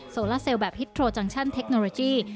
โซลาเซลลแบบฮิตโทรจังชั่นเทคโนโลยี